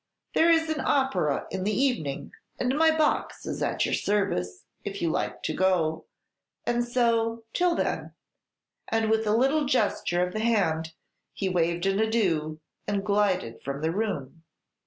There is an opera in the evening, and my box is at your service, if you like to go; and so, till then;" and with a little gesture of the hand he waved an adieu, and glided from the room.